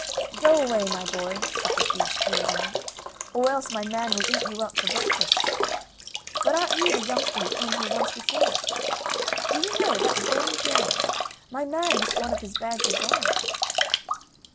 "Go away, my boy," said the big, tall woman, "or else my man will eat you up for breakfast. But aren't you the youngster who came here once before? Do you know, that very day, my man missed one of his bags of gold."